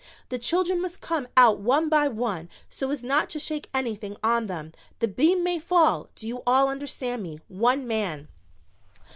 The children must come out one by one, so as not to shake anything on them. The beam may fall. Do you all understand me? One man!"